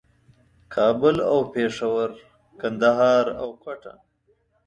کابل او پېښور، کندهار او کوټه